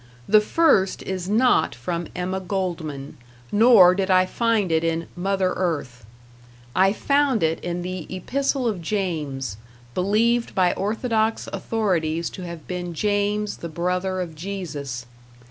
The first is not from Emma Goldman, nor did I find it in "Mother Earth". I found it in the Epistle of James, believed by orthodox authorities to have been James, the brother of Jesus.